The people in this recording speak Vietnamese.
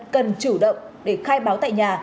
cần chủ động để khai báo tại nhà